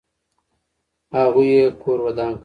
هغوی یې کور ودان کړ.